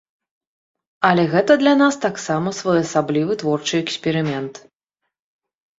Але гэта для нас таксама своеасаблівы творчы эксперымент.